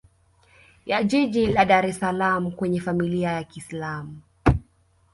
ya jiji la Dar es salaam kwenye Familia ya kiislam